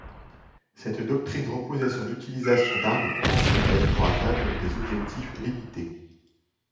Cette doctrine reposait sur l'utilisation d'armes conventionnelles pour atteindre des objectifs limités.